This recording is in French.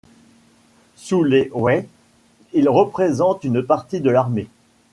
Sous les Wei ils représentent une partie de l'armée.